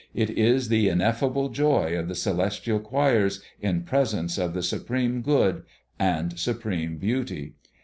It is the ineffable joy of the celestial choirs in presence of the Supreme Good and Supreme Beauty.